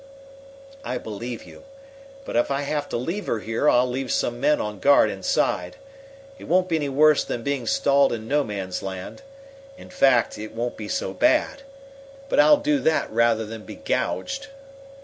"I believe you. But if I have to leave her here I'll leave some men on guard inside. It won't be any worse than being stalled in No Man's Land. In fact, it won't be so bad. But I'll do that rather than be gouged."